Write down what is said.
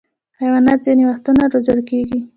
حیوانات ځینې وختونه روزل کېږي.